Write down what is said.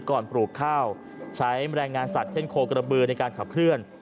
ปลูกข้าวใช้แรงงานสัตว์เช่นโคกระบือในการขับเคลื่อน